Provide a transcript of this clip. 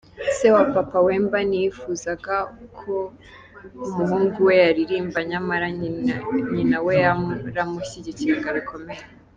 Se wa Papa Wemba ntiyifuzaga ko umuhungu we yaririmba nyamara nyina we yaramushyigikiraga bikomeye.